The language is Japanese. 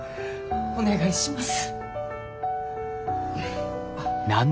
お願いします。